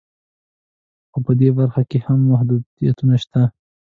خو په دې برخه کې هم محدودیتونه شته